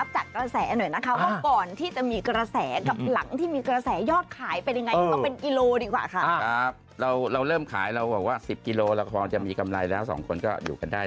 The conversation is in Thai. ใช่ครับแล้วก็เกาะแสก็คือมาต่อเนื่องเลยใช่ไหมครับ